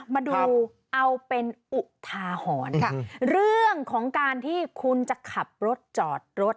มาดูเอาเป็นอุทาหรณ์ค่ะเรื่องของการที่คุณจะขับรถจอดรถ